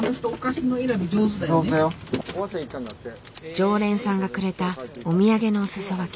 常連さんがくれたお土産のおすそ分け。